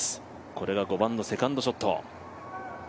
これが５番のセカンドショット。